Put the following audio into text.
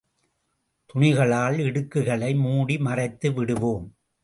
துணிகளால் இடுக்குகளை மூடி மறைத்துவிடுவோம்.